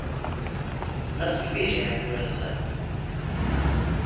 Nasıl bir yer burası?